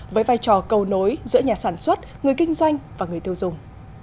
với vai trò cầu nối giữa nhà sản xuất người kinh doanh và người tiêu dùng